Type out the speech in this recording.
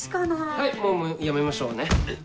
はいもうやめましょうね。うっ！